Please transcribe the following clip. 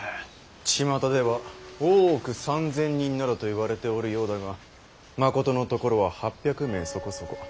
ちまたでは大奥３，０００人などといわれておるようだがまことのところは８００名そこそこ。